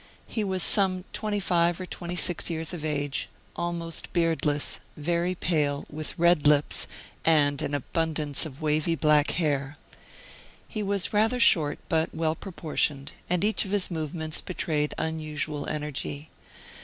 He was some twenty five or twenty six years of age, almost beardless, very pale, with red lips, and an abundance of wavy black hair. He was rather short but well proportioned; and each of his movements betrayed unusual energy.